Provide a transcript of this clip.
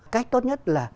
cách tốt nhất là